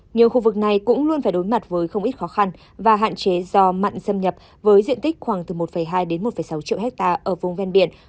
nhiều khu vực này cũng luôn phải đối mặt với không ít khó khăn và hạn chế do mặn xâm nhập với diện tích khoảng từ một hai đến một sáu triệu hectare ở vùng ven biển